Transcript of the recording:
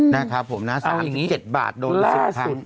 นี่ค่ะผมนะ๓๗บาทโดน๑๐พัน